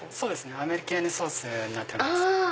アメリケーヌソースになっております。